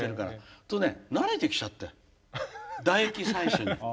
そうするとね慣れてきちゃって唾液採取に。